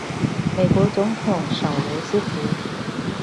美國總統小羅斯福